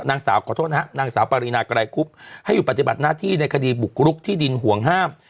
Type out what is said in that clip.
นางสาวขอโทษนะฮะนางสาวปารีนาไกรคุบให้อยู่ปฏิบัติหน้าที่ในคดีบุกรุกที่ดินห่วงห้าม